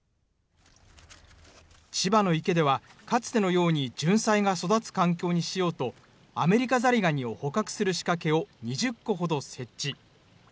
千葉の池では、かつてのようにじゅんさいが育つ環境にしようと、アメリカザリガニを捕獲する仕掛けを２０個ほど設置。